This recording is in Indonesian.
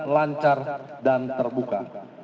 lancar dan terbuka